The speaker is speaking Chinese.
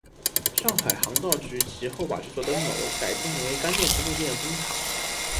上海航道局其后把这座灯楼改建为干电池供电的灯塔。